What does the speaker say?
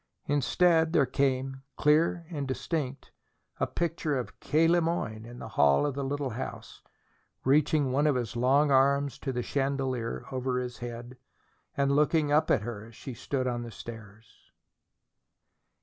Instead, there came, clear and distinct, a picture of K. Le Moyne in the hall of the little house, reaching one of his long arms to the chandelier over his head and looking up at her as she stood on the stairs.